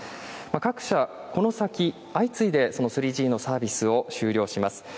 各社、この先、相次いでその３Ｇのサービスを終了します。